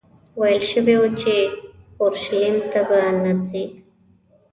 ویل شوي وو چې اورشلیم ته به نه ځې.